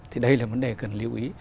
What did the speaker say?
thì đây là vấn đề cần lưu ý